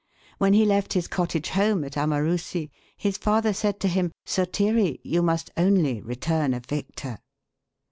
When he left his cottage home at Amarusi, his father said to him, "Sotiri, you must only return a victor!"